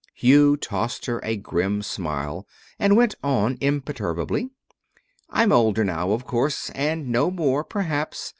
_" Hugh tossed her a grim smile and went on imperturbably. "I'm older now, of course, and know more, perhaps.